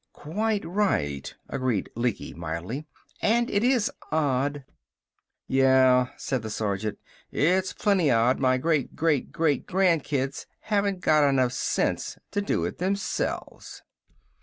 "Quite right," agreed Lecky, mildly. "And it is odd " "Yeah," said the sergeant. "It's plenty odd my great great great grandkids haven't got sense enough to do it themselves!"